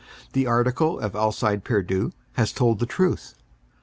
The article of Alcide Pierdeux has told the truth.